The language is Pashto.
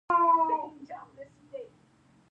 شمله بدبویه ده.